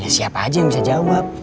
siapa aja yang bisa jawab